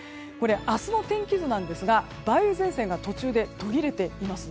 明日の天気図ですが梅雨前線が途中で途切れています。